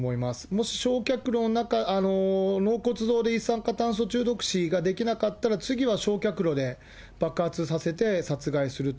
もし納骨堂で一酸化炭素中毒死ができなかったら、次は焼却炉で爆発させて殺害すると。